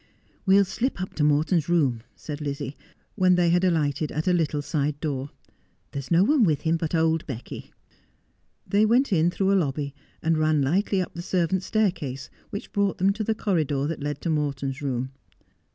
' We'll slip up to Morton's room,' said Lizzie, when they had alighted at a little side door. ' There is no one with him but old Becky.' They went in through a lobby, and ran lightly up the ser vants' staircase, which brought them to the corridor that led to Morton's room.